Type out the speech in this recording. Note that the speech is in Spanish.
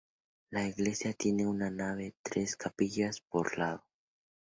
La Iglesia tiene una nave y tres capillas por lado.